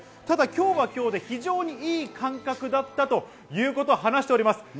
ただ今日は今日で、非常にいい感覚だったということを話しております。